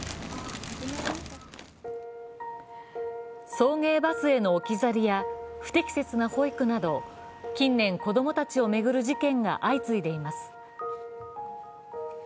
送迎バスへの置き去りや不適切な保育など近年、子供たちを巡る事件が相次いでいます。